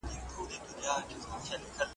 څوک چي له علم سره دښمن دی .